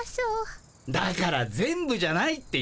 だから「全部じゃない」って言っただろ。